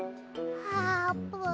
あーぷん。